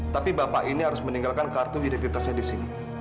tapi bapak ini harus meninggalkan kartu identitasnya di sini